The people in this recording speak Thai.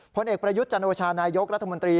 ผลเอกประยุทธ์จันโอชานายกรัฐมนตรี